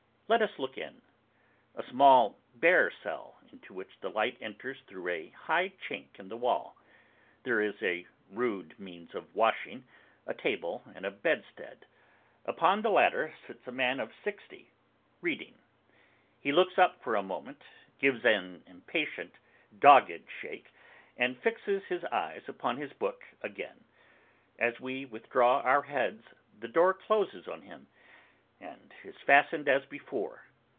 Let us look in. A small bare cell, into which the light enters through a high chink in the wall. There is a rude means of washing, a table, and a bedstead. Upon the latter, sits a man of sixty; reading. He looks up for a moment; gives an impatient dogged shake; and fixes his eyes upon his book again. As we withdraw our heads, the door closes on him, and is fastened as before.